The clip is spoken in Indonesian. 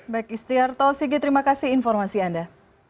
baik istiarto sigi terima kasih informasi anda